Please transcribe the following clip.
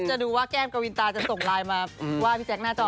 จะดูว่าแก้มกวินตาจะส่งไลน์มาว่าพี่แจ๊คหน้าจอ